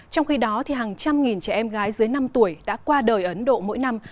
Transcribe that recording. trong khi đó hàng trăm nghìn trẻ em gái dưới năm tuổi đã qua đời ấn độ mỗi năm